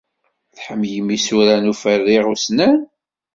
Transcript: Tḥemmlem isura n uferriɣ ussnan?